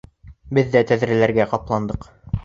Беҙ ҙә тәҙрәләргә ҡапландыҡ.